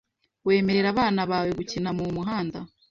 Wemerera abana bawe gukina mumuhanda?